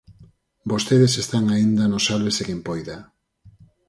Vostedes están aínda no sálvese quen poida.